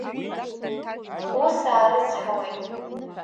Ус аарыцҳауеит.